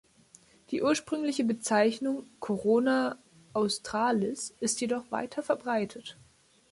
Die ursprüngliche Bezeichnung "Corona Australis" ist jedoch weiter verbreitet.